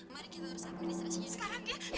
mari kita harus administrasinya sekarang ya